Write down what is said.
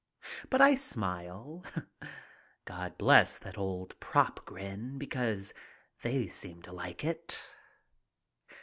But I smile. God bless that old "prop" grin, because they seem to like it.